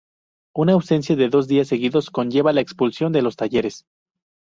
Una ausencia de dos días seguidos conlleva la expulsión de los Talleres.